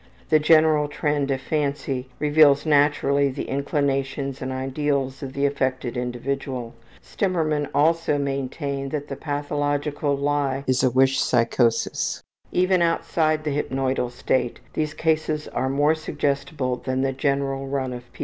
The general trend of fancy reveals naturally the inclinations and ideals of the affected individual. Stemmermann also maintained that the pathological lie is a wish psychosis. Even outside of the hypnoidal state, these cases are more suggestible than the general run of people.